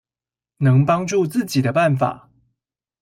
能幫助自己的辦法